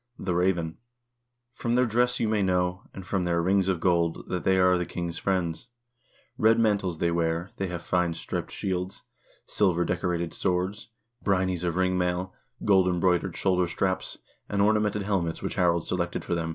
The raven: From their dress you may know, and from their rings of gold, that they are the king's friends ; red mantles they wear, they have fine striped shields, silver decorated swords, brynies of ring mail, gold embroidered shoulder straps,2 and ornamented helmets which Harald selected for them.